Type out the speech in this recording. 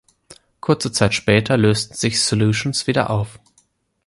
Kurze Zeit später lösten sich "Solutions" wieder auf.